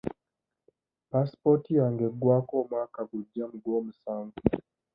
Paasipooti yange eggwako omwaka gujja mu gwomusanvu.